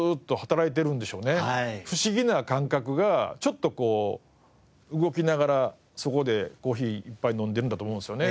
不思議な感覚がちょっとこう動きながらそこでコーヒー１杯飲んでるんだと思うんですよね。